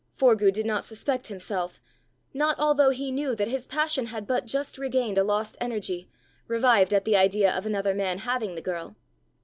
Forgue did not suspect himself not although he knew that his passion had but just regained a lost energy, revived at the idea of another man having the girl!